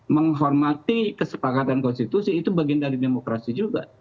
menghormati kesepakatan konstitusi itu bagian dari demokrasi juga